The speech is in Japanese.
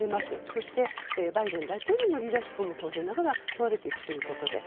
そして、バイデン大統領のリーダーシップも当然ながら問われていくということで。